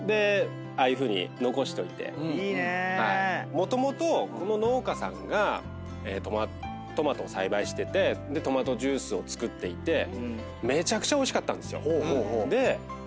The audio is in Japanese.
もともとこの農家さんがトマトを栽培しててトマトジュースを作っていてめちゃくちゃおいしかったんですよ。